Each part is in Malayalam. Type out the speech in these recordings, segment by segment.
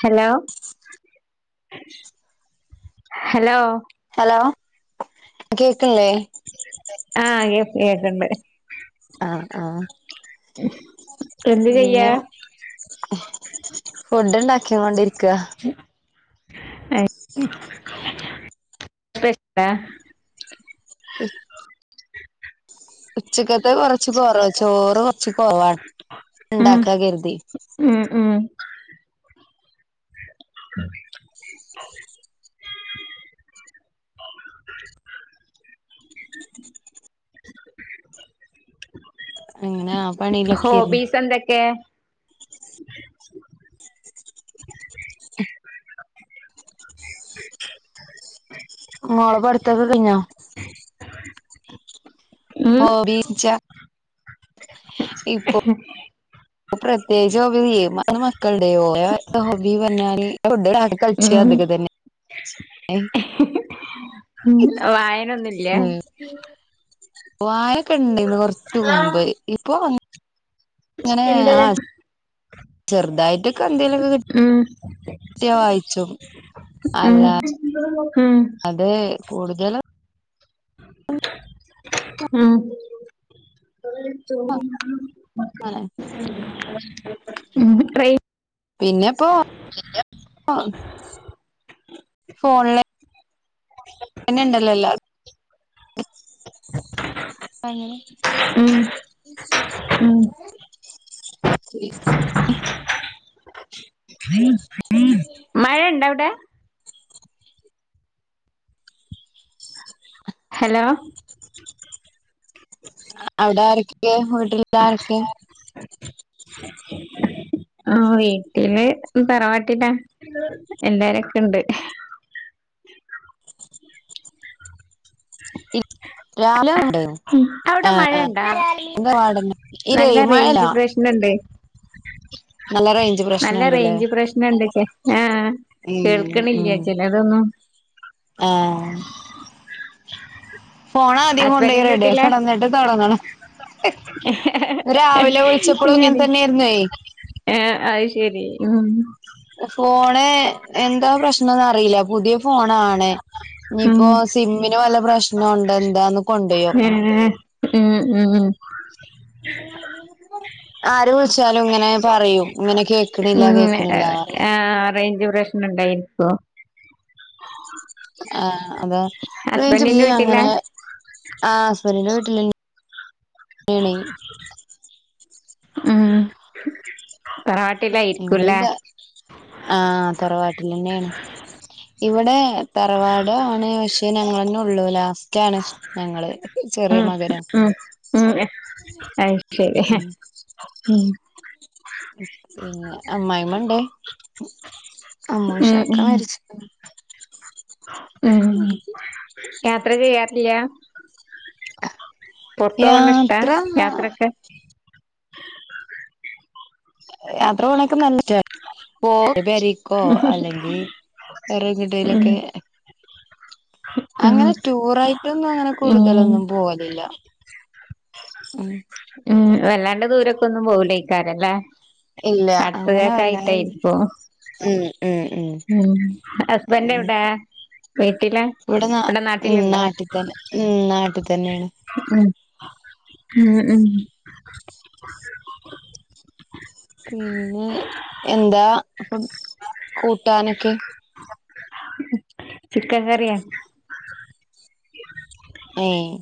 ഹലോ ഹലോ ഹലോ കേക്കണില്ലേ ആ കേക്കണ്ട് ആ ആ ഉ പിന്നെ ഫുഡ്ണ്ടാക്കിയ കൊണ്ടിരിക്കുക [unintelligible] ഉച്ചക കൊറച്ച് കൊറവ ചോറ് കൊറച്ച് കൊറവാണ് ഉം ഉണ്ടാക്കാ കരുതി ഉം ഉം [unintelligible] [inaudible] [unintelligible] [inaudible] എങ്ങനെ ഹോബീസ് എന്തൊക്കെ [inaudible] [inaudible] മോൾടെ പടുത്തൊക്കെ കഴിഞ്ഞോ ഉം ഓ ബച്ച [unintelligible] പ്രസ് പ്രത്യേകിച്ച് ഹോബി മക്കളുടെയോ ഹോബി പറഞ്ഞാല് ഫുഡ് ഇണ്ടാക്കി കളിച്ച ഉം ഇതൊക്കെ തന്നെ ഉം വായനൊന്നും ഇല്ലേ വായൊക്കെ ഉണ്ട് ഇന്ന് കൊറച്ച മുമ്പ് ഇപ്പൊ അങ എന്റെ ചെറുതായിട്ടൊക്കെ എന്തേലക്കെ കിട്ട ഉം കിട്ടിയ വായിച്ചും ഉം അല്ല ഉം അതെ കൂടുതലും ഉം അങ്ങനെ [unintelligible] ഉം ട്രെ പിന്നെ ഇപ്പോ ഫോണിലെ പിന്നെ ഇണ്ടല്ലോ എല്ലാം അങ്ങനെ ഉം ഉം മഴ ഉണ്ടാ അവിടെ ഹലോ അവിടെ ആർക്കെ വീട്ടിലുള്ളവർ ആരൊക്കെ ആ വീട്ടില് തറവാട്ടിലാ എല്ലാരൊക്കെ ഇണ്ട് രാവിലെ അവിടെ ആഹ് മഴണ്ടാ ആഹ് ഇതോ [unintelligible] ഇത നല്ല റേഞ്ച് മഴലാ [unintelligible] പ്രശ്നണ്ട് നല്ല പ്രശ്നംണ്ട്ല്ലേ റേഞ്ച്‌ പ്രശ്നം ഇണ്ട്ചെ ആഹ് ഉം കേൾക്കണില്ലേ ചിലതൊന്നും അഹ് ഫോൺ ആദ്യം കൊണ്ടോയി റെഡിയാകണം ന്നിട്ട് തുടങ്ങണം രാവിലെ വിളിച്ചപ്പോഴും ഇങ്ങനെ തന്നെയായിരുന്നേ [unintelligible] എ അയ് ശരി ഉം ഫോണ് എന്താ പ്രശ്നം അറിയില്ല പുതിയ ഫോണാണ് ഉം ഇനിപ്പോ സിമ്മിന് വല്ല പ്രശ്നോടെന്താ എന്താന്ന് കൊണ്ടുപോയി നോക്കണം ഏഹ് ഉം ഉം ആര് വിളിച്ചാലും ഇങ്ങനെ പറയും ഇങ്ങനെ കേക്കിണില്ല ഉം കേക്കിണില്ലാ ആഹ് റേഞ്ച് പ്രശ്നം ഉണ്ടായിരിക്കോ ആഹ് അതെ ഹസ്ബൻഡിന്റെ [unintelligible] വീട്ടിലാ അങ്ങനെ ആ ഹസ്ബൻറിന്റെ വീട്ടില് [unintelligible] ഉം തറവാട്ടിലായിരിക്കുംല്ലേ [unintelligible] ആഹ് തറവാട്ടിലെനെയേണ് ഇവിടെ തറവാടാണ് പക്ഷേ ഞങ്ങന്നെ ഉള്ളൂ ലാസ്റ്റ് ആണ് ഞങ്ങള് ചെറിയ ആഹ് മകരം ഉം ഉം അത് ശരി ഉം പിന്നെ അമ്മായിമ്മണ്ടേ ഉം അമ്മൂഷാക ഉം മരിച്ചി പോയി ഉം യാത്ര ചെയ്യാറില്ല പൊറത്തു പോകണ ഇഷ്ട്ടാ യാത്ര യാത്രയൊക്കെ യാത്ര പോണ്ക്കെ നല്ല പോ പെരീക്കോ അല്ലെങ്കി ഉം വേറെങ്ങട്ടേലൊക്കെ ഉം അങ്ങനെ റ്റൂറായിട്ടൊന്നും അങ്ങനെ ഉം കൂടുതലൊന്നും പോവലില്ല. ഉം. ഉം വല്ലാണ്ട് ദൂരൊക്കൊന്നും പോവില്ലാക്കാരം ല്ലേ? ഇല്ല അങ്ങനെ വല്ലാതെ ഉം ഉം ഉം. ഉം ഹസ്ബൻന്റ് എവ്ടെ? അങ്ങനെയൊക്കെ വീട്ടില് ഇവിടെ നാ ഇവടെ ഉം നാട്ടില്ണ്ടോ നാട്ടിൽ തന്നെ ഉം നാട്ടിൽ തന്നെയാണ് ഉം. ഉം ഉം. പിന്നെ എന്താ കൂട്ടാനൊക്കെ? ചിക്കൻ ക്കറിയാ. ഏഹ്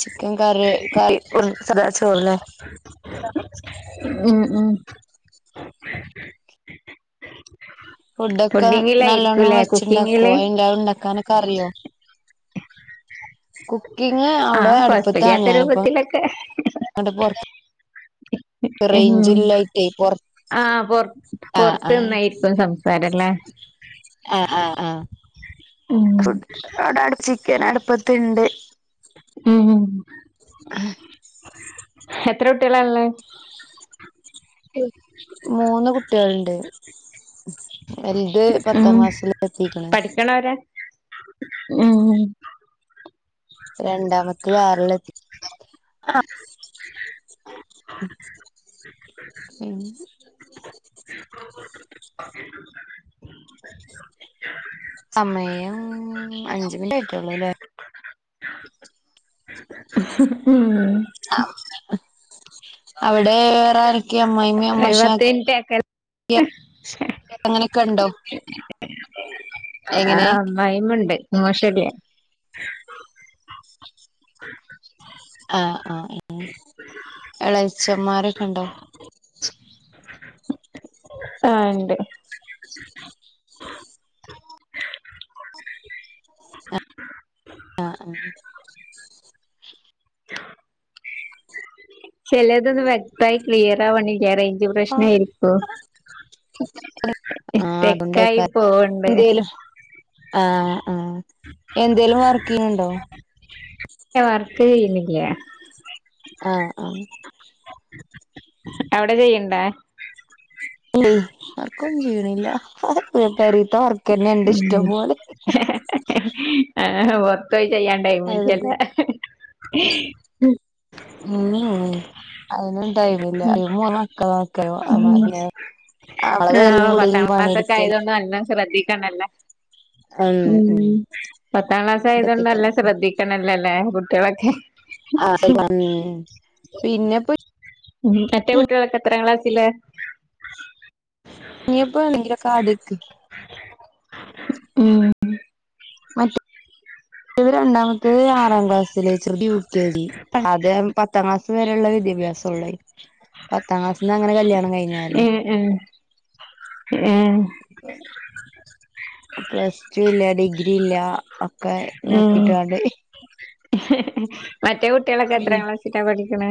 ചിക്കൻ കറി കറി സദാ ചോർലെ? ഉം ഉം. ഫുഡ് ഒക്കെ നല്ലോണ്ണം ഫുഡിങ്ങിലായിരിക്കുംല്ലേ വെച്ച്ണ്ടാക്കോ കുക്കിങ്ങില് എല്ലാതും ഉണ്ടാക്കാനൊക്കെ അറിയോ? കുക്കിങ് അവ്ടെ ആഹ് അട്പ്പത്താണ് കൊഴപ്പില്ലാത്ത ഞാനിപ്പോ രൂപത്തിലൊക്കെ ങ്ങട് പൊർ റെയ്ഞ്ച് ഇല്ലായ്‌റ്റെ പൊർ ആഹ പൊർ പൊർത്ത്ന്നായിരിക്കും സംസാരല്ലേ? ആഹ് ആഹ് ആഹ്. ഉം ഫുഡ് ആടെ അട് ചിക്കന് അട്പ്പത്ത്ണ്ട്. ഏഹ് എത്ര കുട്ട്യാളാ ള്ളേ? മൂന്ന് കുട്ട്യാൾ ണ്ട്. വൽത് പത്താം ഉം ക്ലാസില് എത്തിക്ക്ണ്. പഠിക്കണോരാ ഉം രണ്ടാമത്തെ [unintelligible] ആഹ് [unintelligible] സമയം അഞ്ച മിനിട്ട് ആയിട്ടള്ളൂല്ലേ ഉം [unintelligible] അവിടെ വേറെരക്കെയ അമ്മയിമ്മയും ഒരു പത്ത് അമ്മോശക്കിം മിനിറ്റ് ആക്ക ങ്ങനെയൊക്കെ ഉണ്ടോ എങ്ങനെ അമ്മയിമ്മണ്ട് അമ്മോശൻല്ല ആഹ് ആഹ് എളച്ചന്മാരൊക്കെ ഉണ്ടോ ആഹ് ഇണ്ട് ആഹ് ആഹ് ചെലദോന്നും വെക്തായി ക്ലിയർ അവണില്ല റേഞ്ച് പ്രശ്ന ആഹ് ആയിരിക്കു വോ സ്റ്റക്കായി അതുകൊണ്ടേക്കാരം പോവുണ്ട് എന്തേലും ആഹ് ആഹ് എന്തേലും വർക്ക് ചെയ്യുന്നുണ്ടോ [unintelligible] വർക് ചെയന്നില്ല ആഹ് ആഹ് അവിടെ ചെയ്ണ്ട ഇല്ലേ വർക്കൊന്നും ചെയ്യണില്ല പെരീത്തെ വർക്കന്നെ ഇണ്ട് ഇഷ്ടം പോലെ ആഹ് അ പൊറത്തോയി ചെയ്യാൻ അതെല്ലേ ടൈമില്ലല്ലേ ഉം ഉം അയിനൊന്നും ടൈമില്ല ഇ മൂന്ന് മക്കള നോക്കല [unintelligible] [unintelligible] കുടിം പണിം കായതുകൊണ്ട എല്ലാം ശ്രദ്ധിക്കണല്ലേ ഉം പത്താം ക്ലാസ് അതൊക്കെ ആയതൊണ്ടല്ല തന്നെ ശ്രദ്ധിക്കണല്ലല്ലേ കുട്ടികളൊക്കെ ആ പിന്നെപ്പോ മറ്റേ കുട്ടികളൊക്കെ എത്ര ക്ലാസ് ല ഇപ്പ എക്ക്റ കാതക്ക് മ് മറ്റ ഇത് രണ്ടാമത്തെ ആറാം ക്ലാസ്സിൽ ചെറിയ യൂ കെ ജി അതെ പത്താം ക്ലാസ് വരെയുള്ള വിദ്യാഭ്യാസള്ളു പത്താം ക്ലാസ് അങ്ങനെ കല്യാ ഉം ഉം ഉം പ്ലസ് ടു ഇല്ല ഡിഗ്രി ഇല്ല ഒക്കെ ഉം നോക്കിട്ടാണ്ട് [unintelligible] മറ്റേ കുട്ടികളൊക്കെ എത്ര ക്ലാസ്സില പഠിക്ക ക്ക്ണ്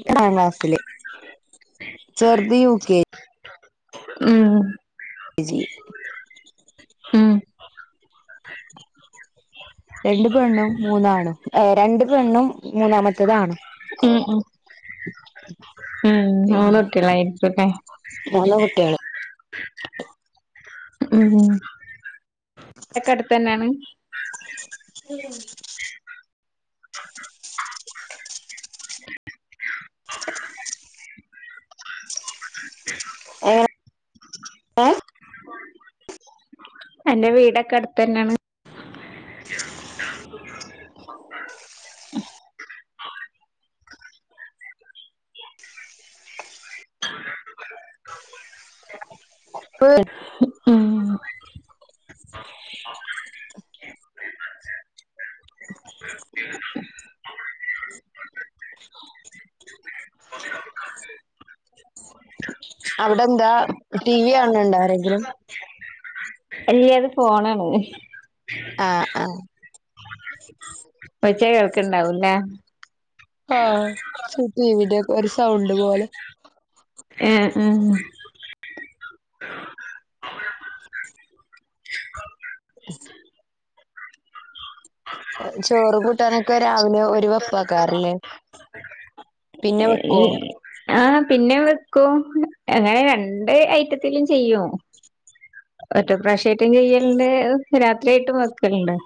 യെട്ടാം ക്ലാസിൽ ചെറുത് യു കെ ഉം ജി ഉം രണ്ട് പെണ്ണും മൂന്നാന്നും ഏ രണ്ട് പെണ്ണും മൂന്നാമത്തേതാണ് ഉം ഉം മൂന്ന് പിന്നെ കുട്ടിയാൽ അയിരികുലെ മൂന്ന് കുട്ടികള് ഉം എക്കെ അടുത്ത് തന്നെയാണ് [unintelligible] [unintelligible] [unintelligible] യെങ്ങനെ ഏ എന്റെ വീടൊക്കെ അടുത്ത തന്നെയാണ് പ് [inaudible] [inaudible] അവിടെ എന്താ ടി വി കണണ്ടോ ആരെങ്കിലും അല്ലിയത് ഫോണാണ് ആ ആ ഒച്ച കേൾക്കണ്ടാവൂല്ലേ ആ സ ടി വി യുടെ ഒരു സൗണ്ട് പോലെ ആ അഹ് ചോറ് കൂട്ടാനൊക്കെ രാവിലെ ഒരു വെപ്പക്കാറല്ലേ ഏ ആഹ് പിന്നെ വെക്കും അങ്ങനെ രണ്ട് ഐറ്റത്തിലും ചെയ്യോ ഒറ്റ പ്രവശ്യായിട്ടും ചെയ്യലുണ്ട് രാത്രിയായിട്ടും വെക്കലുണ്ട്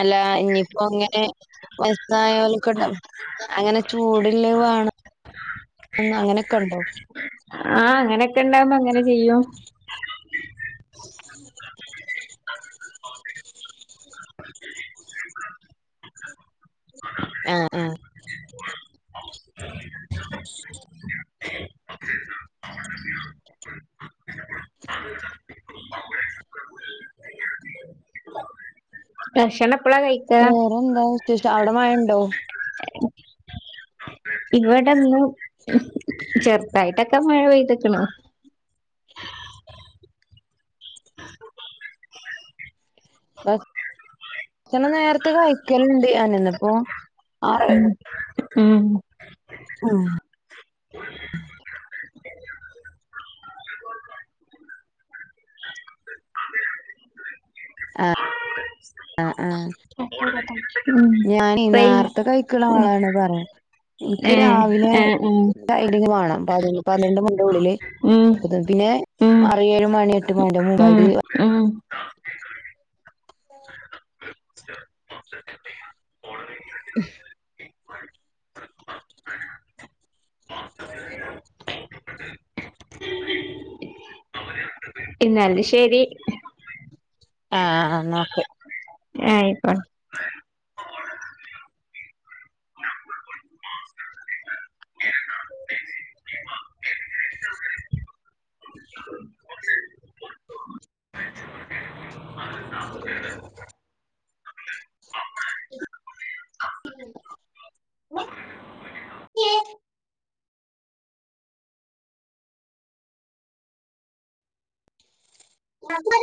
അല്ല ഇനിയിപ്പോ അങ്ങനെ വയസ്സായലക്കെണ്ട അങ്ങനെ ചൂടില്ലത് വാണം അങ്ങനെയൊക്കെണ്ടോ ആ അങ്ങനൊക്കെ ഇണ്ടാവുമ്പോ അങ്ങനെ ചെയ്യും ആ ആ ഭക്ഷണം എപ്പളാ കഴിക്കാ വേറെന്താ വിശേഷം അവിടെ മഴ ഉണ്ടോ ഇവിടെ ഇന്ന് ചെറുതായിട്ടൊക്കെ മഴ പെയ്ത്ക്ക്ണ് ഇത്ര നേരത്തെ കഴിക്കലുണ്ട് ഞാൻ ഇന്ന് ഇപ്പോ ആ ഉം ആ ആ ആ ആ ഉം ഞാനീ റേഞ്ച് നേരത്തെ കഴിക്കുന്ന ആളാണ് പറയാ എനിക്ക് ഏ രാവിലെ ഏ ഉം സൈഡിങ് വേണം പന്ത്രണ്ട് മണി ഉള്ളില് ഉം പിന്നെ ഉം ആറ് ഏഴ് മണി എട്ട് മണിന്റെ ഉം മുമ്പായിട്ട് ഉം ഇന്നാല് ശരി ആ ആ എന്ന ഓക്കെ ആയിക്കോട്ടെ